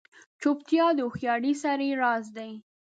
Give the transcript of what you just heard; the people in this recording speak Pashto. چوپتیا، د هوښیار سړي راز دی.